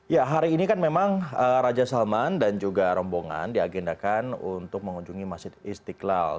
ya hari ini kan memang raja salman dan juga rombongan diagendakan untuk mengunjungi masjid istiqlal